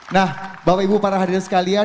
nah bapak ibu para hadirin sekalian